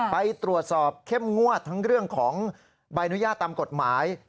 ไปตรวจสอบเข้มงวดทั้งเรื่องของใบอนุญาตตามกฎหมาย